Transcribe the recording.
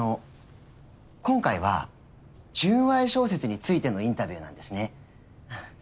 今回は純愛小説についてのインタビューなんですね。